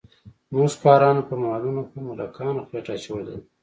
زموږ خوارانو په مالونو خو ملکانو خېټه اچولې ده.